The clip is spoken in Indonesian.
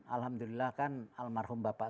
alhamdulillah kan almarhum bapak